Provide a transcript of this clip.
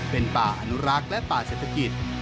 เป็นป่าอนุรักษ์และป่าเศรษฐกิจ